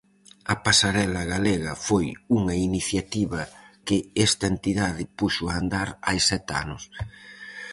A pasarela galega foi unha iniciativa que esta entidade puxo a andar hai sete anos.